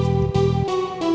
gak usah bawa kesana